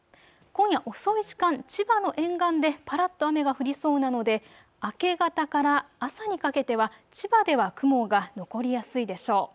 今夜遅い時間、千葉の沿岸でぱらっと雨が降りそうなので明け方から朝にかけては千葉では雲が残りやすいでしょう。